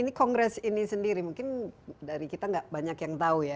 ini kongres ini sendiri mungkin dari kita nggak banyak yang tahu ya